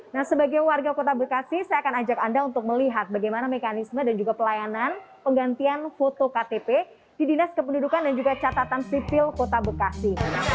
nah sebagai warga kota bekasi saya akan ajak anda untuk melihat bagaimana mekanisme dan juga pelayanan penggantian foto ktp di dinas kependudukan dan juga catatan sipil kota bekasi